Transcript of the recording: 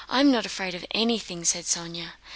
"I'm not afraid of anything," said Sónya.